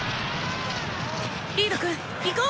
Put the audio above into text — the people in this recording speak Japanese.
リードくん行こう！